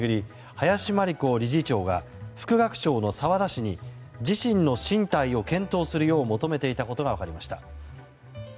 林真理子理事長が副学長の澤田氏に自身の進退を検討するよう求めていたことが分かりました。